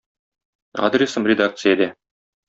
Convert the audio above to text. Адресым редакциядә.